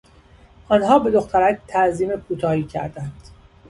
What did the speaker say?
آنها به دخترک تعظیم کوتاهی کردند.